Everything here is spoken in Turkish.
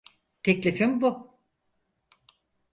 Teklifim bu.